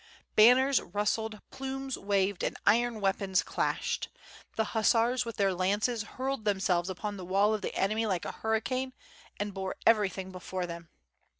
Banners rustled, plumes waved, and iron weapons clashed. The hussars with their lances hurled themselves upon the wall of the enemy like a hurricane and bore every thing before them.